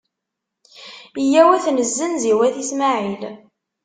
Yyaw ad t-nezzenz i wat Ismaɛil.